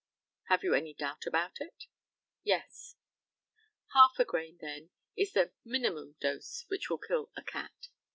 Have you any doubt about it? Yes. Half a grain, then, is the minimum dose which will kill a cat?